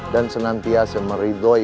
dan senantiasa meridhoi